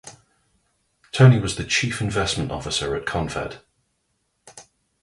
Tony was the Chief Investment Officer at Confed.